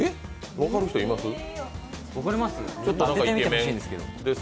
分かる人います？